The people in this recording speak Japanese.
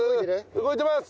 動いてます。